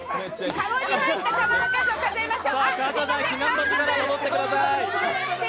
籠に入った玉の数を数えましょう。